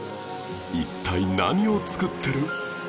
一体何を作ってる？